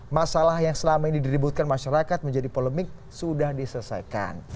masalah yang selama ini diributkan masyarakat menjadi polemik sudah diselesaikan